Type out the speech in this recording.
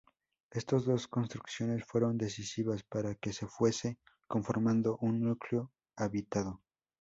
Estas dos construcciones fueron decisivas para que se fuese conformando un núcleo habitado.